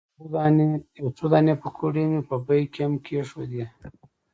یو څو دانې پیکورې مې په بیک کې هم کېښودې.